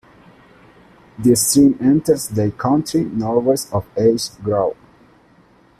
The stream enters Dade County northwest of Ash Grove.